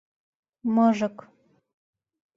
мыжык.